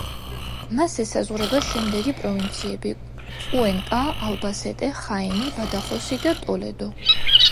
მას ესაზღვრება შემდეგი პროვინციები: კუენკა, ალბასეტე, ხაენი, ბადახოსი და ტოლედო.